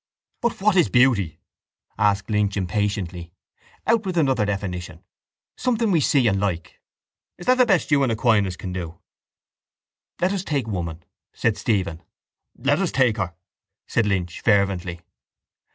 —But what is beauty? asked Lynch impatiently. Out with another definition. Something we see and like! Is that the best you and Aquinas can do? —Let us take woman, said Stephen. —Let us take her! said Lynch fervently.